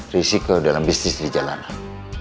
risiko dalam bisnis di jalanan